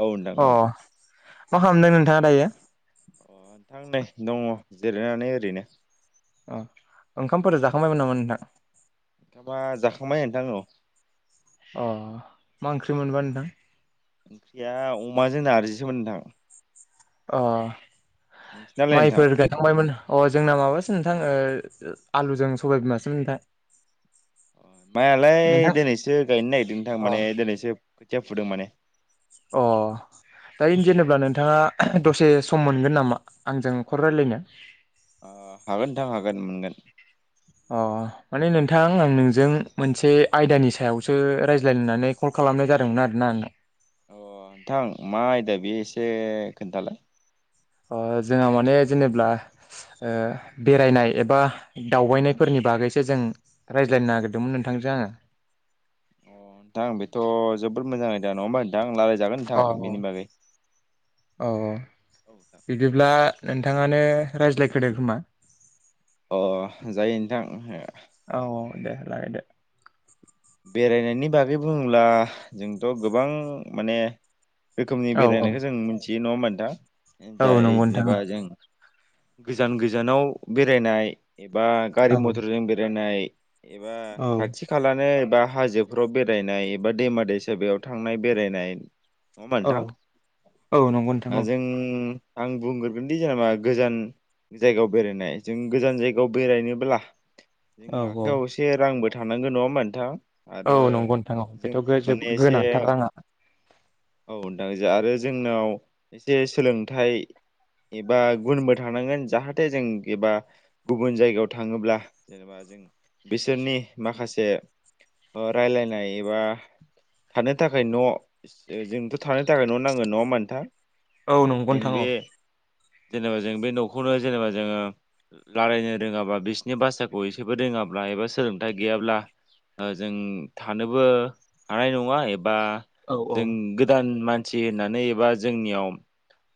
औ नोंथां औ अह मा खालामदों नोंथाङा दायो। अ नोंथां नै दङ जिरायनानै ओरैनो अ ओंखामफोरा जाखांबायमोन नामा नोंथां? ओंखामा जाखांबाय नोंथां औ। अह मा ओंख्रि मोनबा नोंथां। ओंख्रिया अमाजों नारजिसोमोन नोंथां। अह नोंसिनालाय नोंथां माइफोर गायखांबायमोन अह जोंना माबा नोंथां ओ आलुजों सबाइ बिमासो नोंथां मायालाय नोंथां दिनैसो गायनो नागिरदों नोंथां अ माने दिनैसो खोथिया फुदों माने अ दायो औ जेनेबा ओ नोंथाङा दसे सम मोनगोन नामा आंजों खर रायलायनो हागोन नोंथां हागोन मोनगोन। अह माने नोंथां आं नोंजों मोनसे आयदानि सायावसो रायज्लायनो होननानै कल खालाम खालामनाय जादोंमोन आरोना। अ नोंथां मा आयदा बे एसे खोन्थालाय जोंहा माने जेनेब्ला बेरायनाय एबा दावबायनायफोरनि बागैसो जों रायज्लायनो नागिरदोंमोन नोंथां। [unintelligible] अ नोंथांं बेथ' जोबोद मोजां दा नङा होमबा? नोंथां रायलायजागोन नोंथां अ बेनि बागै औ बिदिब्ला नोंथाङानो रायज्लायग्रोदो खोमा अह जायो नोंथां। औ होमबा औ दे जों रायलायदो बेरायनायनि बागै बुङोब्ला जोंथ' गोबां माने रोखोमनि औ बेरायनायखौ औ जों मिथियो नङा होमबा नोंथां औ जाय नंगौ नोंथां जेनेबा जों गोजान गोजानाव बेरायनाय एबा गारि औ। मथरजों बेरायनाय एबा औ खाथि खालानो बा हाजोफ्राव बेरायनाय एबा दैमा दैसायाव थांनाय बेरायनाय नङा होमबा औ औ नंगौ नोंथां नोंथां औ। जों आं बुंग्रोगोनदि जेनेबा गोजान जायगायाव बेरायनाय जों गोजान जायगायाव बेरायनोब्ला औ जोंनि औ आखायाव एसे रांबो थानांगोन नङा होमबा नोंथां? आरो औ नंगौ नोंथां औ जों बेथ' माने एसे गोनांथार राङा। औ नोंथां ज आरो जोंनाव एसे सोलोंथाइ एबा गुनबो थानांगोन जाहाथे जों एबा गुबुन जायगायाव थाङोब्ला जेनेबा जों बिसोरनि माखासे रायलायनाय एबा थानो थाखाय न' जोंथ' थानो थाखाय न' नांगोन नङा होमबा नोंथां औ नंगौ‌ जों नोंथां औ बे जेनेबा जों बे न'खौनो जेनेबा जोङो रायलायनो रोङाबा बिसोरनि भासाखौ एसेबो रोङाब्ला बा सोलोंथाइ गैयाब्ला जों थानोबो हानाय नङा एबा औ औ जों गोदान मान सि होननानै एबा जोंनियाव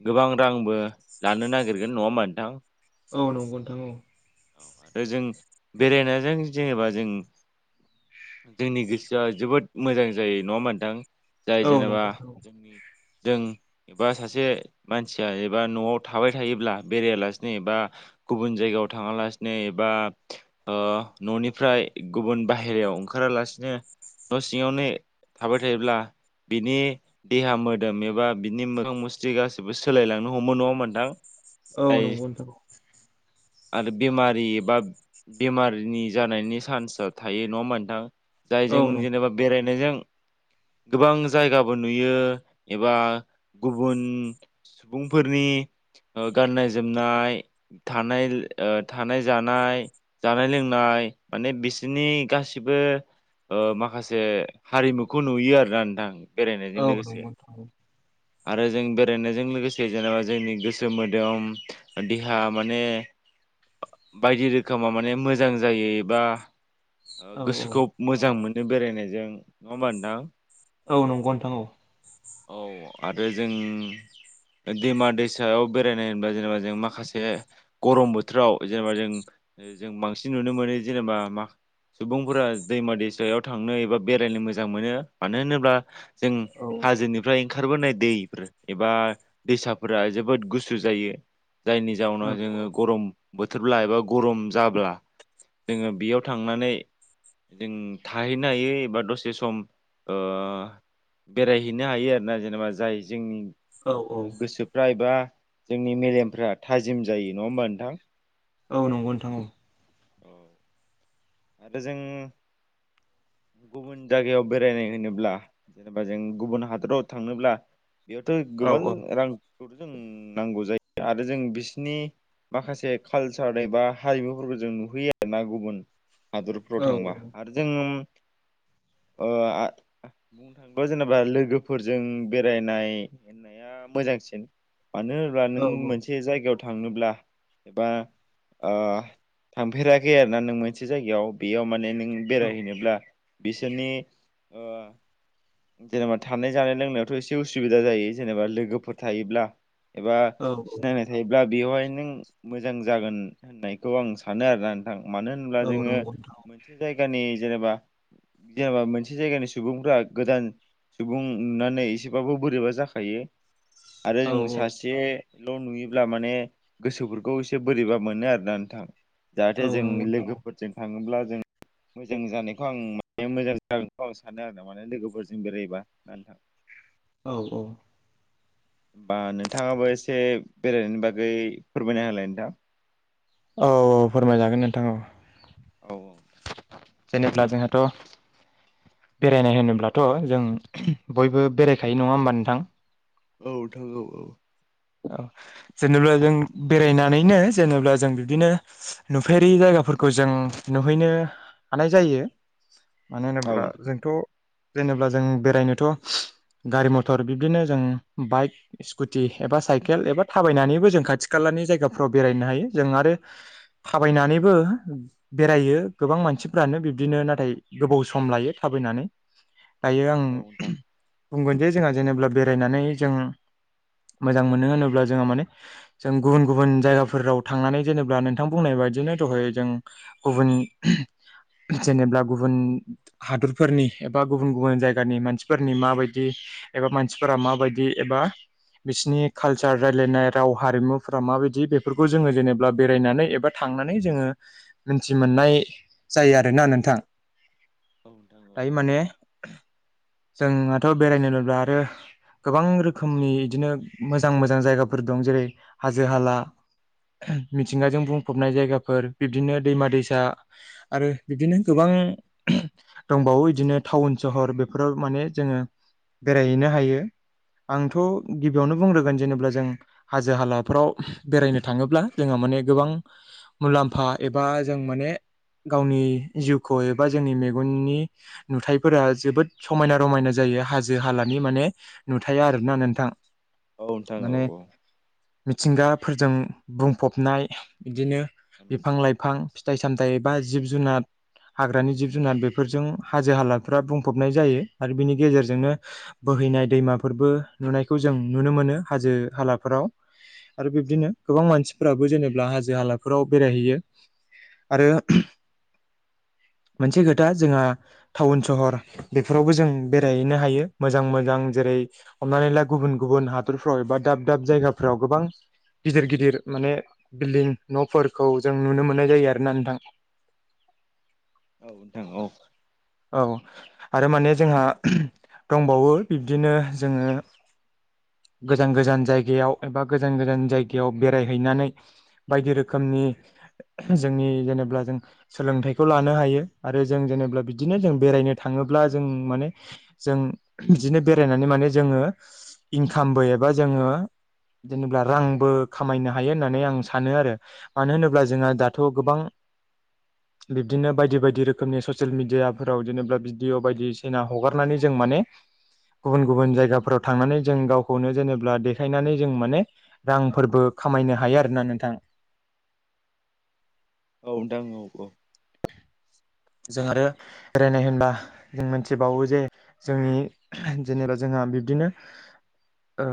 गोबां रांबो लानो नागिरगोन नङा होमबा नोंथां औ नंगौ नोंथां औ आरो जों बेरायनायजों जेनेबा जों जोंनि गोसोआ जोबोद मोजां जायो नङा होमबा नोंथां जाय औ जेनेबा नंगौ नोंथां जोंनि जों एबा सासे मानसिया एबा न'आव थाबाय थायोब्ला बेरायालासनो एबा गुबुन जायगायाव थाङा ला बेनो एबा ओ न'निफ्राय गुबुन बाहेरायाव ओंखारालासिनो न' सिङावनो थाबाय थायोब्ला बिनि देहा मोदोम एबा बिनि मोदोम मोखां मुस्रि गाैबो सोलायलांनो हमो नङा होमबा नोंथां औ जाय नंगौ नोंथां आरो बेमारि एबा बेमारिनि जानायनि चान्सआ थायो नङा होमबा नोंथां औ जायजों नंगौ जेनेबा नोंथां बेरायनायजों गोबां जायगाबो नुयो एबा गुबुन सुबुंफोरनि गाननाय जोमनाय थानाय ओ थानाय जानाय जानाय लोंनाय माने बिसोरनि गासिबो ओ माखासे हारिमुखौ नुयो आरोना नोंथां बेरायनायजों औ लोगोसे नंगौ नोंथां औ आरो जों बेरायनायजों लोगोसे जेनेबा जोंनि गोसो मोदोम देहा माने बायदि रोखोमा माने मोजां जायो एबा औ गोसोखौ मोजां मोनो बेरायनायजों नङा होमबा नोंथां औ नंगौ नोंथां औ औ आरो जों दैमा दैसायाव बेरायनाय होनबा जेनेबा जों माखासे गरम बोथोराव जेनेबा जों जों बांसिन नुनो मोनो जेनेबा मा सुबुंफोरा दैमा दैसायाव थांनो एबा बेरायनो मोजां मोनो मानो होनोब्ला जों औ हाजोनिफ्राय ओंखारबोनाय दैफोर एबा दैसाफोरा जोबोद गुसु जायो। जायनि जाउनाव औ औ जोङो गरम बोथोरब्ला एबा गरम जाब्ला जोङो बेयाव थांनानै जों थाहैनो हायै एबा दसे सम ओ बेरायहैनो हायो आरोना जेनेबा जाय जोंनि औ औ गोसोफ्रा एबा जोंनि मेलेमफ्रा थाजिम जायो नङा होमबा नोंथां औ नंगौ नोंथां औ आरो जों गुबुन जायगायाव बेरायनाय होनोब्ला जेनेबा जों गुबुन हादराव थांनोब्ला बेयावथ' गोबां औ रांफोरखौथ' जों नांगौ जायो आरो जों बिसिनि माखासे कालसार एबा हारिमुफोरखौ जों नुहैयो आरोना गुबुन हादरफोराव औ थांबा आरो जों [inaudible] अ आ बुंनो थाङोबा जेनेबा लोगोफोरजों बेरायनाय होननाय मोजांसिन मानो होनब्ला नों औ मोनसे जायगायाव थांनोब्ला एबा आ थांफेराखै आरोना नों मोनसे जायगायाव बेयाव माने बेरायहैनोब्ला बिसोरनि आ जेनेबा थानाय जानाय लोंनायावथ' एसे उसुबिदा जायो जेनेबा लोगोफोर थायोब्ला एबा औ सिनायनाय थायोब्ला बेवहाय नों मोजां जागोन होननायखौ आं सानो आरोना मानो होनोब्ला औ जोङो नंगौ नोंथां मोनसे जायगानि जेनेबा जेनेबा मोनसे जायगानि सुबुंफ्रा गोदान सुबुं नुनानै एसेबाबो बोरैबा जाखायो। आरो औ जों सासे ल' नुयोब्ला माने गोसोफोरखौ एसे बोरैबा मोनो आरोना नोंथां जाहाथे औ जों नंगौ नोंथां औ लोगोफोरजों थाङोब्ला मोजां जानायखौ आं माने मोजां जागोनखौ आं सानो आरो माने लोगोफोरजों बेरायबा ना नोंथां? औ औ होमबा नोंथाङाबो एसे बेरायनायनि बागै फोरमायना होलाय नोंथां। औ औ फोरमायजागोन नोंथां औ औ औ जेनेब्ला जोंहाथ' बेरायनाय होनोब्लाथ' जों बयबो बेरायखायो नङा होमबा नोंथां? औ थांगौ औ औ जेनेबा जों बेरायनानैनो जेनेब्ला जों बिदिनो नुफेरि जागोन। फोरखौ जों नुहैनो हानाय जायो मानो औ होनोब्ला जोंथ' जेनेबा जों बेरायनोथ' गारि मथर बिब्दिनो जों बाइक स्कुटि एबा साइकेल एबा थाबायनानैबो जों खाथि खालानि जायगाफ्राव बेरायनो हायो जों आरो थाबायनानै बो बेरायो गोबां मानसिफ्रानो बिब्दिनो नाथाय गोबाव सम लायो थाबायनानै दायो आं नोंथां औ बुंगोन जे जोंहा जेनेबा बेरायनानै जों मोजां मोनो होनोब्ला जोहा माने जों गुबुन गुबुन जायगाफोराव थांनानै जेनेबा नोंथां बुंनाय बायदि दिनो दहाय जों गुबुन जेनेबब्ला गुबुन हादरफोरनि एबा गुबुन गुबुन जायगानि मानसिफोरनि माबायदि एबा मानसिफोरा माबायदि एबा बिसिनि कालसार रायलायनाय राव हारिमुफोरा माबायदि बेफोरखौ जोङो जेनेबा बेरायनानै एबा थांनानै नानै जोङो मिथि मोननाय जायो आरोना नोंथां। नोंथां औ दायो माने जोंहाथ' बेरायनो मोनब्ला आरो गोबां रोखोमनि बिदिनो मोजां मोजां जायगाफोर दं जेरै हाजो हाला मिथिंगाजों बुंफबनाय जायगाफोर बिब्दिनो दैमा दैसा आरो बिबदिनो गोबां दंबावो बिदिनो टाउन सहर बेफोराव माने जोङो बेरायहैनो हायो आंथ' गिबियावनो बुंग्रोगोन जेनेबा जों हाजो हालाफ्राव बेरायनो थाङोब्ला जोंहा माने गोबां मुलाम्फा एबा जों माने गावनि जिउखौ एबा जोंनि मेगननि नुथाइफोरा जोबोद समायना रमायना जायो। हाजो हालानि माने नुथाया आरोना नोंथां। औ नोंथां औ माने औ मिथिंगाफोरजों बुंफबनाय बिदिनो माने बिफां लाइफां फिथाइ सामथाइ बा जिब जुनार हाग्रानि जिब जुनार बेफोरजों हाजो हालाफ्रा बुंफबनाय जायो आरो बिनि गेजेरजोंनो बोहैनाय दैमाफोरबो नुनायखौ जों नुनो मोनो हाजो हालाफोराव आरो बिब्दिनो गोबां मानसिफोराबो जेनेब्ला हाजो हालाफोराव बेरायहैयो। आरो मोनसे खोथा जोंहा टाउन सहर बेफोरावबो जों बेरायहैनो हायो मोजां मोजां जेरै हमनानै ला गुबुन गुबुन हादरफ्राव एबा दाब दाब जायगाफ्राव गोबां गिदिर गिदिर माने बिल्डिं न'फोरखौ जों नुनो मोननाय जायो आरोना नोंथां। [unintelligible] औ नोंथां औ औ आरो माने जोंहा दंबावो बिबदिनो जोङो [unintelligible] गोजान गोजान जायगायाव एबा गोजान गोजान जायगायाव बेरायहैनानै बायदि रोखोमनि जोंनि जेनेबा जों सोलोंथाइखौ लानो हायो आरो जों जेनेबा बिदिनो जों बेरायनो नो थाङोब्ला जों माने जों बिदिनो बेरायनानै माने जोङो इनकामबो एबा जोङो जेनेब्ला रांबो खामायनो हायो होननानै आं सानो आरो मानो होनोब्ला जोंहा दाथ' गोबां [inaudible] बिब्दिनो बायदि बायदि रोखोमनि ससियेल मेडियाफोराव जेनेबा भिडिअ बायदिसिना हगारनानै जों माने गुबुन गुबुन जायगाफोराव थांनानै जों गावखौनो जेनेबा देखायनानै जों माने रांफोरबो खामायनो हायो आरोना नोंथां [inaudible] औ नोंथां औ औ [inaudible] जों आरो बेरायनाय होनबा जों मोनथिबावो जे जोंनि जेनेबा जोंहा बिदिनो ओ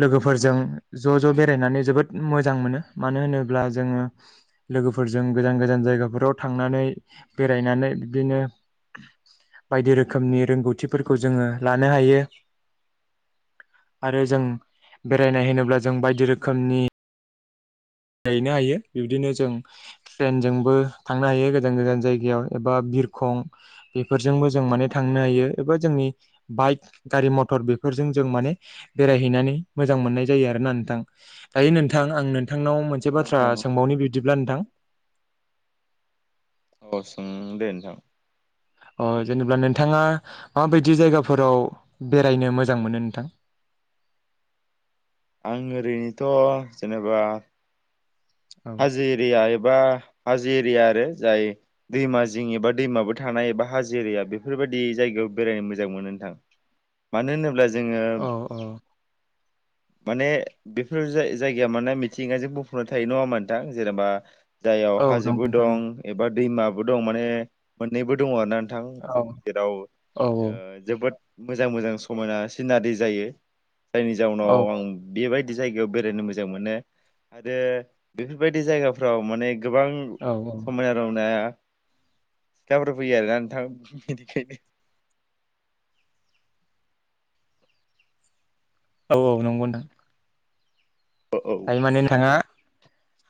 लोगोफोरजों ज' ज' बेरायनानै जोबोद मोजां मोनो मानो होनोब्ला जोङो लोगोफोरजों गोजान गोजान जायगाफोराव थांनानै बेरायनानै बिदिनो बायदि रोखोमनि रोंगौथिफोरखौ जोङो लानो हायो आरो जों बेरायनाय होनोब्ला जों बायदि रोखोमनि नायनो हायो बिबदिनो जों ट्रेनजोंबो थांनो हायो गोजान गोजान जायगायाव एबा बिरखं बेफोरजोंबो जों मान थांनो हायो एबा जोंनि बाइक गारि मथर बेफोर जों जों माने बेराय हैनानै मोजां मोननाय जायो आरोना नोंथां दायो नोंथां आं नोंथांनाव आं मोनसे औ बाथ्रा नोंथां सोंबावनि बिदिब्ला नोंथां औ सों दे नोंथां अ जेनेबा नोंथाङा माबायदि जायगाफोराव बेरायनो मोजां मोनो नोंथां [inaudible] आं ओरैनोथ' जेनेबा औ हाजो एरिया एबा हाजो जो एरिया आरो जाय दैमा जिं एबा दैमाबो थानाय एबा हाजो एरिया बेफोरबायदि जायगायाव बे बेरायनो मोजां मोनो नोंथां मानो होनोब्ला जोङो औ औ माने बेफोर जाय जायगाया माने मिथिंगाजों बुंफुंबना थायो नङा होमबा नों नोंथां जेनेबा जायआव औ नंगौ हाजोबो नोंथां औ दं एबा दैमाबो दं माने मोननैबो दङ आरो ना नोंथां जों औ जेराव औ ओ जोबोद मोजां मोजां समायना सिनारि जायो जायनि जाउनाव औ आं बेबाय जायगायाव बेरायनो मोजां मोनो आरो बेफोरबायदि जायगाफ्राव माने गोबां औ औ समायना रमायना सिख्लाफोर फैयो आरोना नोंथां बेनिखायनो [inaudible] औ औ नंगौ नोंथां औ औ दायो माने नोंथाङा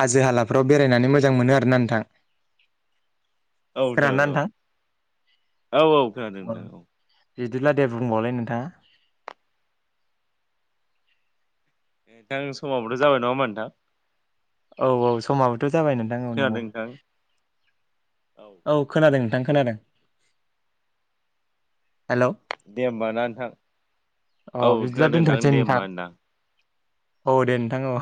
हाजो हालाफ्राव बेरायनानै मोजां मोनो आरो ना नोंथां औ नोंथां औ औ औ खोनादों नोंथां औ बिदिब्ला दे बुंबावलाय नोंथाङा ए नोंथां समाबोथ' जाबाय नङा होमबा नोंथां औ औ समाबोथ' जाबाय नोंथां औ नंगौ खोनादों नोंथां औ खोनादों नोंथां खोनादों हेलौ दे होमबा ना नोंथां अ औ बिदिब्ला खोनादों दोनथ'सै दे नोंथां। होमबा औ दे नोंथां औ